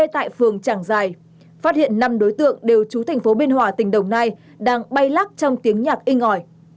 tại phường trảng giài phát hiện năm đối tượng đều trú thành phố biên hòa tỉnh đồng nai đang bay lắc trong tiếng nhạc in ngỏi